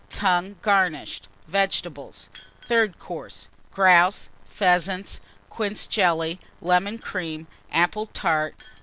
Tongue, garnished. Vegetables. THIRD COURSE. Grouse. Pheasants. Quince Jelly. Lemon Cream. Apple Tart.